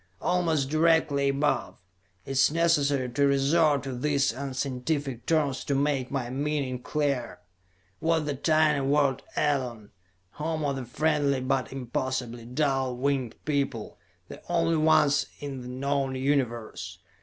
Almost directly above it is necessary to resort to these unscientific terms to make my meaning clear was the tiny world Elon, home of the friendly but impossibly dull winged people, the only ones in the known Universe.